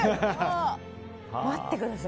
待ってください